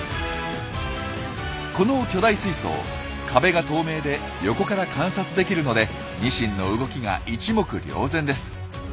この巨大水槽壁が透明で横から観察できるのでニシンの動きが一目瞭然です。